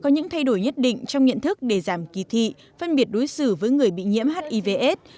có những thay đổi nhất định trong nhận thức để giảm kỳ thị phân biệt đối xử với người bị nhiễm hiv aids